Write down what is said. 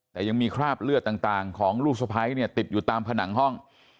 แต่ยังมีคราบเลือดต่างของลูกสะพ้ายเนี่ยติดอยู่ตามผนังห้อง